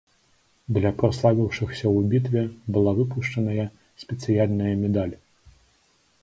Для праславіўшыхся ў бітве была выпушчаная спецыяльная медаль.